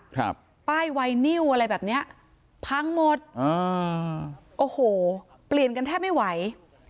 ครับป้ายไวนิวอะไรแบบเนี้ยพังหมดอ่าโอ้โหเปลี่ยนกันแทบไม่ไหว